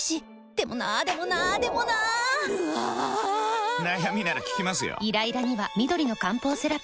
でもなーでもなーでもなーぬあぁぁぁー！！！悩みなら聞きますよ。